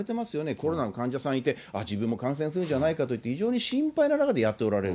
コロナの患者さんいて、ああ、自分も感染するんじゃないかといって、非常に心配な中でやっておられる。